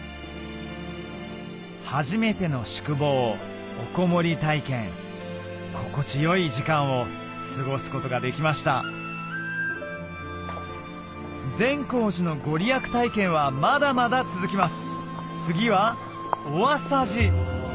初めての宿坊おこもり体験心地よい時間を過ごすことができました善光寺の御利益体験はまだまだ続きます